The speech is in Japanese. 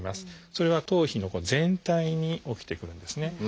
それが頭皮の全体に起きてくるんですね。